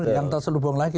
yang tak selubung lagi